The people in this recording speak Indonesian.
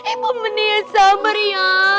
ibu menik yang sabar ya